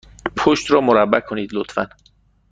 پشت را مربع کنید، لطفا.